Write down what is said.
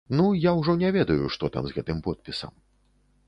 Ну, я ўжо не ведаю, што там з гэтым подпісам.